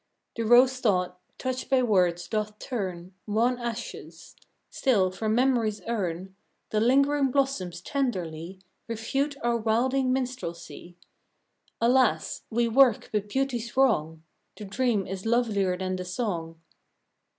The rose thought, touched by words, doth turn Wan ashes. Still, from memory's urn, The lingering blossoms tenderly Refute our wilding minstrelsy. Alas! we work but beauty's wrong! The dream is lovelier than the song.